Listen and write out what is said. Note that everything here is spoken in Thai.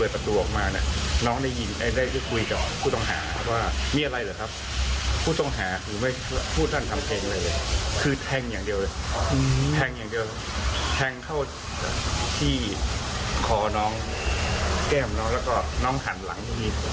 ผู้ต้องหาว่ามีอะไรเหรอครับ